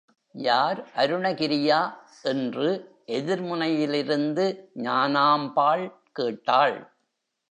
யார் அருணகிரியா? என்று எதிர்முனையிலிருந்து ஞானாம்பாள் கேட்டாள்.